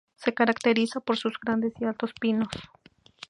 Se caracteriza por sus grandes y altos pinos.